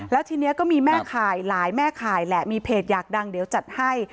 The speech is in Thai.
แล้วทีนี้ก็มีแม่ข่ายหลายแม่ข่ายแหละมีเพจอยากดังเดี๋ยวจัดให้